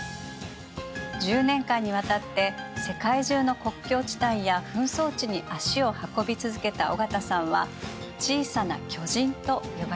１０年間にわたって世界中の国境地帯や紛争地に足を運び続けた緒方さんは小さな巨人と呼ばれるようになるのです。